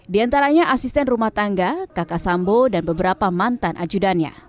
di antaranya asisten rumah tangga kakak sambo dan beberapa mantan ajudannya